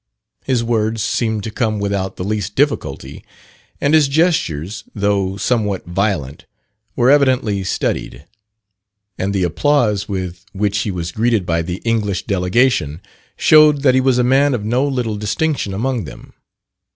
His words seemed to come without the least difficulty, and his jestures, though somewhat violent, were evidently studied; and the applause with which he was greeted by the English delegation, showed that he was a man of no little distinction among them.